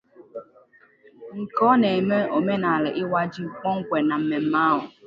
Ka ọ na-eme omenala ịwa ji kpọnkwem na mmemme ahụ